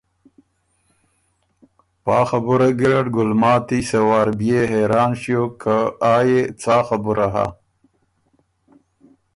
پا خبُره ګیرډ ګلماتی سۀ وار بيې حېران ݭیوک که آ يې څا خبُره هۀ؟